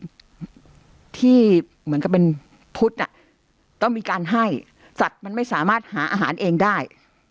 ที่เหมือนกับเป็นพุทธอ่ะต้องมีการให้สัตว์มันไม่สามารถหาอาหารเองได้